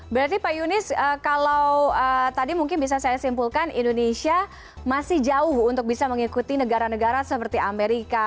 berarti pak yunis kalau tadi mungkin bisa saya simpulkan indonesia masih jauh untuk bisa mengikuti negara negara seperti amerika